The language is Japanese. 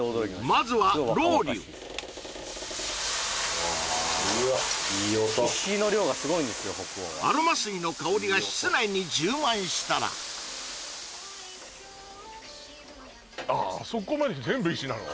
まずはロウリュ・うわっいい音アロマ水の香りが室内に充満したらあそこまで全部石なの？